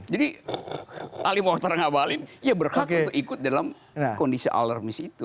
jadi ali mohtar ngabali ya berhak untuk ikut dalam kondisi alarmis itu